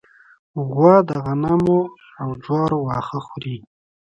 غوا د غنمو او جوارو واښه خوري.